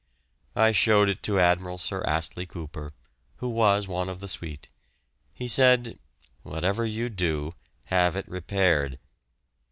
I showed it to Admiral Sir Astley Cooper, who was one of the suite. He said, "Whatever you do, have it repaired."